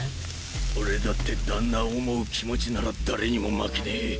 俺だって旦那を思う気持ちなら誰にも負けねえ。